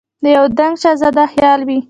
د یو دنګ شهزاده خیال وي